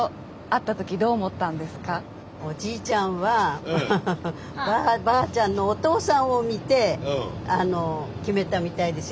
おじいちゃんはばあちゃんのお父さんを見て決めたみたいですよ。